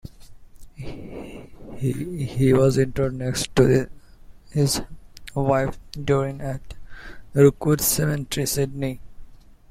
He was interred next to his wife, Doreen, at Rookwood Cemetery, Sydney.